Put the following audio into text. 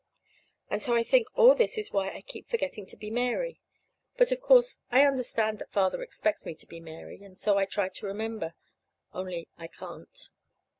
And so I think all this is why I keep forgetting to be Mary. But, of course, I understand that Father expects me to be Mary, and so I try to remember only I can't.